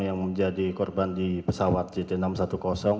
yang menjadi korban di pesawat jt enam ratus sepuluh